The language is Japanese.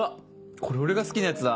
これ俺が好きなやつだ。